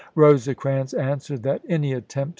Rosecrans answered that "any attempt i863.